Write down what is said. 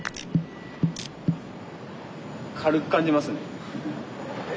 軽く感じますね。